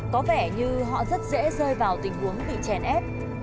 có vẻ như họ rất dễ rơi vào tình huống bị chèn ép